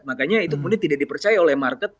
makanya itu kemudian tidak dipercaya oleh market